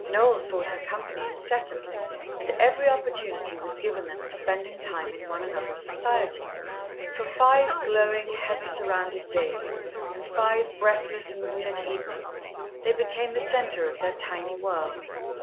Noel sought her company incessantly, and every opportunity was given them of spending time in one another's society. For five glowing, heather surrounded days and five breathless, moonlit evenings, they became the centre of their tiny world.